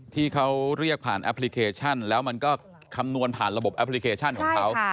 ที่เขาเรียกผ่านแอปพลิเคชันแล้วมันก็คำนวณผ่านระบบแอปพลิเคชันของเขา